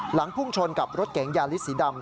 หลังพุ่งชนกับรถเก๋งยาฤทธิ์สีดำ